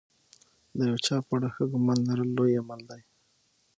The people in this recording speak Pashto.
د یو چا په اړه ښه ګمان لرل لوی عمل دی.